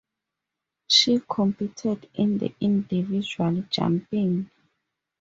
She competed in the individual jumping.